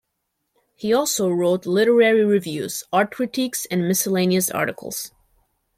He also wrote literary reviews, art critiques, and miscellaneous articles.